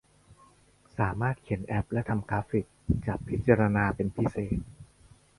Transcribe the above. สามารถเขียนแอพและทำกราฟฟิคเป็นจะพิจารณาเป็นพิเศษ